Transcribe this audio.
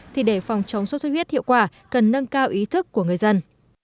thì để phòng chống suốt huyết hiệu quả cần nâng cao ý thức của người dân